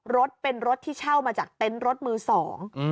รถเป็นรถที่เช่ามาจากเต็นต์รถมือสอง